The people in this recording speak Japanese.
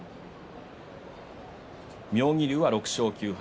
妙義龍は６勝９敗。